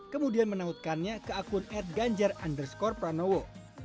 kemudian menautkannya ke akun adganjar underscore pranowo